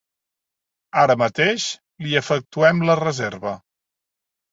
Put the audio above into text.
Ara mateix li efectuem la reserva.